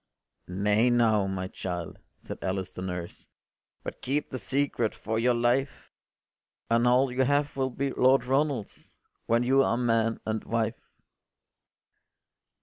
” “Nay now, my child,” said Alice the nurse, “But keep the secret for your life, And all you have will be Lord Ronald’s, When you are man and wife.